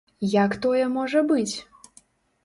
Як тое можа быць?